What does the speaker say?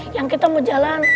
yang kita mau jalan